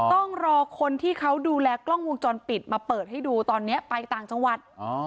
ต้องรอคนที่เขาดูแลกล้องวงจรปิดมาเปิดให้ดูตอนนี้ไปต่างจังหวัด